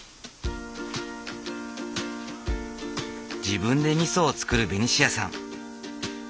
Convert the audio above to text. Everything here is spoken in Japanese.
自分でみそを造るベニシアさん。